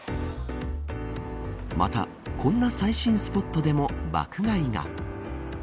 また、こんな最新スポットでも爆買いが。